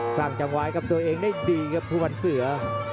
ส่างจำวายกับตัวเองได้ดีครับผู้ปันเสือ